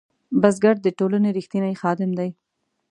بزګر د ټولنې رښتینی خادم دی